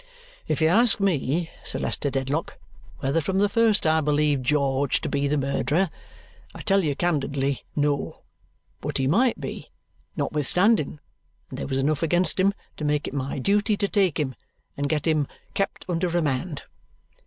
If you ask me, Sir Leicester Dedlock, whether from the first I believed George to be the murderer, I tell you candidly no, but he might be, notwithstanding, and there was enough against him to make it my duty to take him and get him kept under remand.